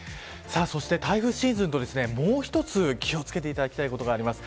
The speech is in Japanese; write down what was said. そして台風シーズンともう一つ気を付けていただきたいことがあります。